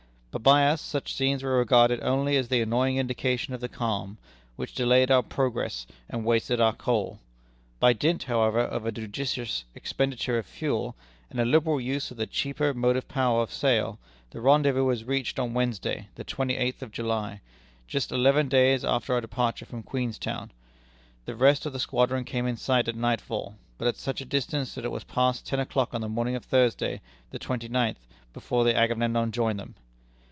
But by us such scenes were regarded only as the annoying indications of the calm, which delayed our progress and wasted our coal. By dint, however, of a judicious expenditure of fuel, and a liberal use of the cheaper motive power of sail, the rendezvous was reached on Wednesday, the twenty eighth of July, just eleven days after our departure from Queenstown. The rest of the squadron came in sight at nightfall, but at such a distance that it was past ten o'clock on the morning of Thursday, the twenty ninth, before the Agamemnon joined them.